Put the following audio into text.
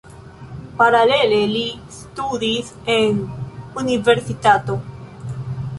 Paralele li studis en universitato.